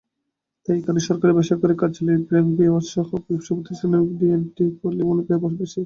তাই এখানে সরকারি-বেসরকারি কার্যালয়, ব্যাংক-বিমাসহ বিভিন্ন ব্যবসাপ্রতিষ্ঠানে টিঅ্যান্ডটি টেলিফোনের ব্যবহারও বেশি।